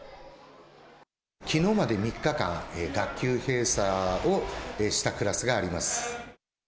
きのうまで３日間、学級閉鎖をしたクラスがあります。